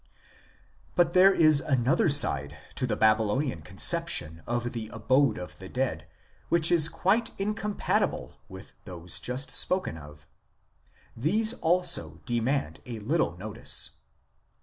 2 But there is another side to the Babylonian conception of the abode of the dead which is quite incompatible with those just spoken of ; these also demand a little notice.